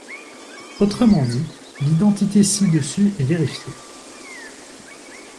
Autrement dit, l'identité ci-dessus est vérifiée.